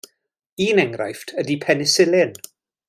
Un enghraifft ydy Penisilin.